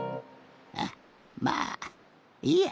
あっまあいいや。